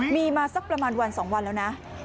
มีมาสักประมาณวัน๒วันแล้วนะ